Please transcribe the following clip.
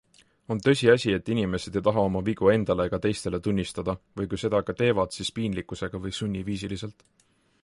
On tõsiasi, et inimesed ei taha oma vigu endale ega teistele tunnistada või kui seda ka teevad, siis piinlikkusega või sunniviisiliselt.